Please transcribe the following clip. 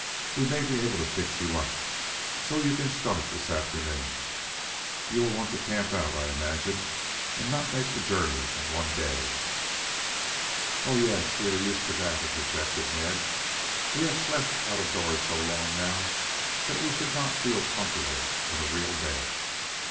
We may be able to fix you up so you can start this afternoon. You will want to camp out, I imagine, and not make the journey in one day." "Oh, yes, we are used to that," interjected Ned. "We have slept out of doors so long now that we should not feel comfortable in a real bed."